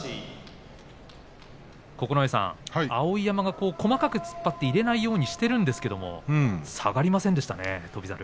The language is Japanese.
九重さん、碧山が細かく突っ張って入れないようにしているんですけれども下がりませんでしたね、翔猿。